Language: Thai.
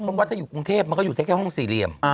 เพราะว่าถ้าอยู่กรุงเทพมันก็อยู่แค่ห้องสี่เหลี่ยม